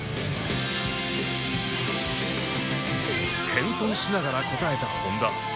謙遜しながら答えた本多